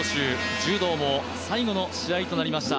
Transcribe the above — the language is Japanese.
柔道も最後の試合となりました。